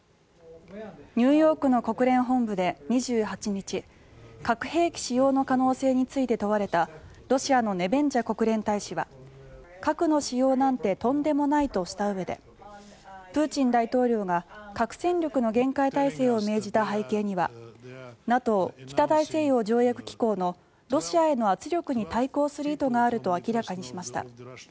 ニューヨークの国連本部で２８日核兵器使用の可能性について問われたロシアのネベンジャ国連大使は核の使用なんてとんでもないとしたうえでプーチン大統領が核戦力の厳戒態勢を命じた背景にはＮＡＴＯ・北大西洋条約機構のロシアへの圧力に対抗する意図があると明らかにしました。